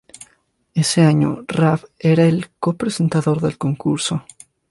Ese año Raab era el co-presentador del concurso.